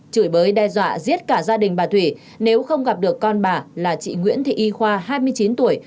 chửi bới đe dọa giết cả gia đình bà thủy nếu không gặp được con bà là chị nguyễn thị y khoa hai mươi chín tuổi